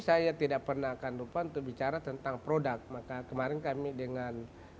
saya tidak pernah akan lupa untuk bicara tentang produk maka kemarin kami dengan